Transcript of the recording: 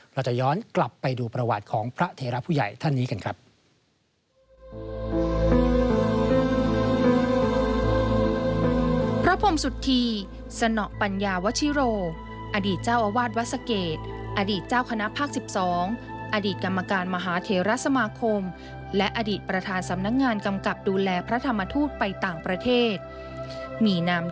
เราจะย้อนกลับไปดูประวัติของพระเทราผู้ใหญ่ท่านนี้กันครับ